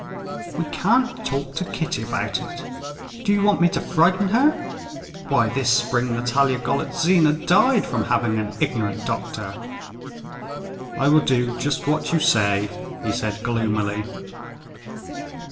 "We can't talk to Kitty about it! Do you want me to frighten her? Why, this spring Natalia Golitzina died from having an ignorant doctor." "I will do just what you say," he said gloomily.